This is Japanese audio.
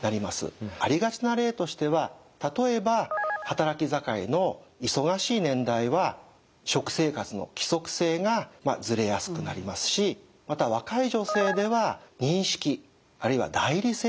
ありがちな例としては例えば働き盛りの忙しい年代は「食生活の規則性」がずれやすくなりますしまた若い女性では認識あるいは代理摂食。